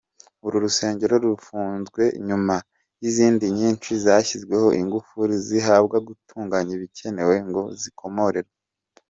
Uru rusengero rufunzwe nyuma y’izindi nyinshi zashyizweho ingufuri zisabwa gutunganya ibikenewe ngo zikomorerwe.